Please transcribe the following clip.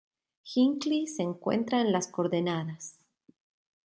Hinckley se encuentra en las coordenadas.